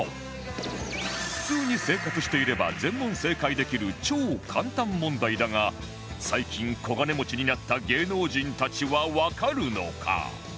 普通に生活していれば全問正解できる超簡単問題だが最近小金持ちになった芸能人たちはわかるのか？